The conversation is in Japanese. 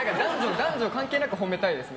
男女関係なく褒めたいですね。